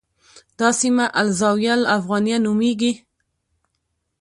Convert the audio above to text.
دا سیمه الزاویة الافغانیه نومېږي.